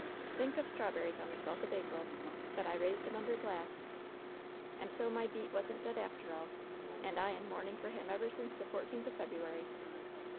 Think of strawberries on the twelfth of April ! But I raised 'em under glass. And so my beat wasn't dead, after all 1 And I in mourning for him ever since the fourteenth of February